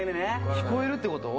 聞こえるってこと？